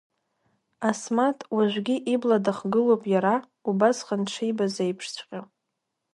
Асмаҭ, уажәгьы ибла дыхгылоуп иара, убасҟан дшибаз еиԥшҵәҟьа.